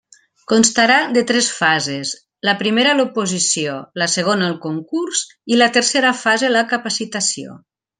Constarà de tres fases: la primera l'oposició; la segona el concurs i la tercera fase la capacitació.